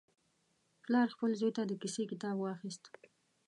پلار خپل زوی ته د کیسې کتاب واخیست.